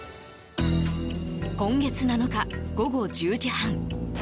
今月７日、午後１０時半。